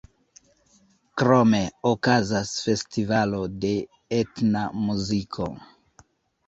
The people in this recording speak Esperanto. Krome okazas festivalo de etna muziko.